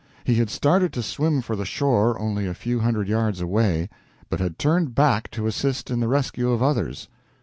He had started to swim for the shore, only a few hundred yards away, but had turned back to assist in the rescue of others.